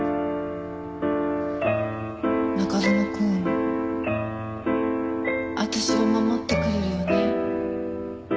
中園くん私を守ってくれるよね？